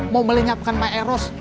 mau melenyapkan maeros